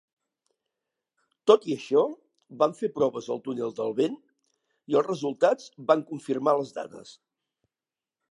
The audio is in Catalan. Tot i això van fer proves al túnel del vent i els resultats van confirmar les dades.